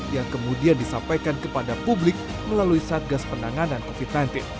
yang kemudian disampaikan kepada publik melalui satgas penanganan covid sembilan belas